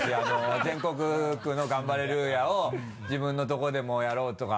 全国区のガンバレルーヤを自分のとこでもやろうとか。